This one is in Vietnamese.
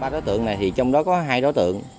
ba đối tượng này thì trong đó có hai đối tượng